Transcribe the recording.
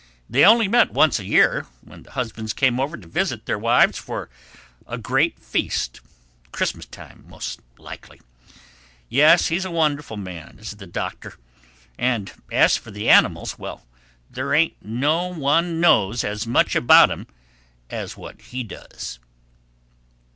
They only met once a year, when the husbands came over to visit the wives for a great feast—Christmas time, most likely. Yes, he's a wonderful man is the Doctor. And as for animals, well, there ain't no one knows as much about 'em as what he does."